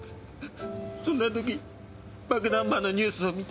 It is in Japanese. そんな時爆弾魔のニュースを見て。